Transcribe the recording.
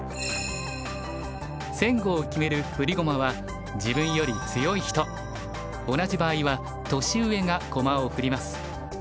先後を決める振り駒は自分より強い人同じ場合は年上が駒を振ります。